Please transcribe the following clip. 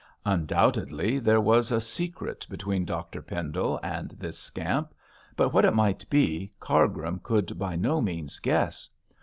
Undoubtedly there was a secret between Dr Pendle and this scamp; but what it might be, Cargrim could by no means guess.